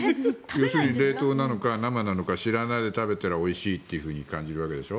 冷凍なのか生なのか知らないで食べたらおいしいというふうに感じるわけでしょ。